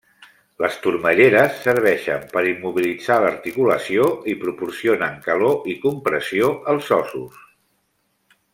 Les turmelleres serveixen per immobilitzar l'articulació i proporcionen calor i compressió als ossos.